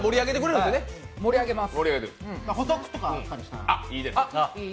盛り上げます。